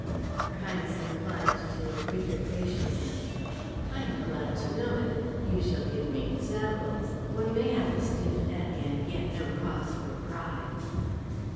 Her Highness inclined to a greater graciousness. "I am glad to know it. You shall give me examples. One may have a stiff neck and yet no cause for pride."